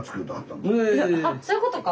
そういうことか！